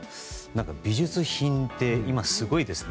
美術品って今すごいです。